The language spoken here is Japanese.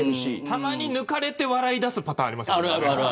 たまに抜かれて笑い出すパターンありますよね。